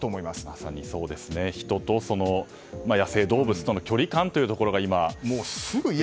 まさに、人と野生動物との距離感というところが今。